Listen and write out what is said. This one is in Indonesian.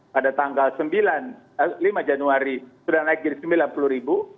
pada tanggal lima januari sudah naik jadi sembilan puluh ribu